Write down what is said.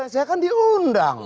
saya kan diundang